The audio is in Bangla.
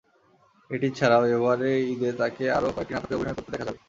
এটি ছাড়াও এবারের ঈদে তাঁকে আরও কয়েকটি নাটকে অভিনয় করতে দেখা যাবে।